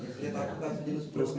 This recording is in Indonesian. senjata api kan sejenis peluru